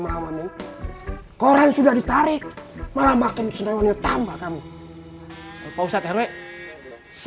pak barnas termasuk ini ya eh waktu zaman nic llevaran wilayah juga najlepsi lé lloredani